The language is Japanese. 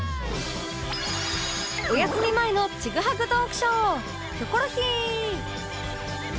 お休み前のちぐはぐトークショー